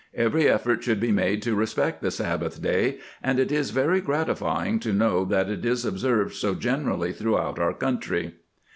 "Every effort should be made to respect the Sabbath day, and it is very gratifying to know that it is observed so generally throughout our country."